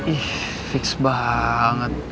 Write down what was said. ih fix banget